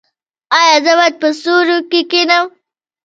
ایا زه باید په سیوري کې کینم؟